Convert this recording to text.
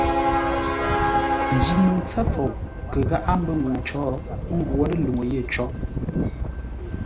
Njino ntsə́ fou kə gháʼa mbə́ ŋuu cǒ, ə́ ngwǒ ləluŋú yé có.